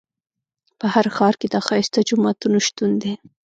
په هر ښار کې د ښایسته جوماتونو شتون دی.